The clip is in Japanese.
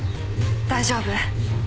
大丈夫。